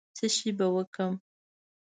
څشي به کوم.